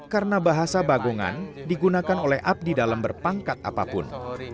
karena bahasa bagongan digunakan oleh abdi dalam berpangkat apapun